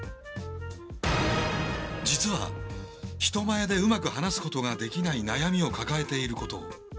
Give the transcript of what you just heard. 実は人前でうまく話すことができない悩みを抱えていることを。